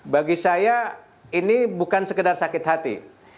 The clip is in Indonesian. bagi saya ini bukan sekedar sakit hati